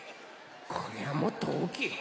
これはもっとおおきいよ。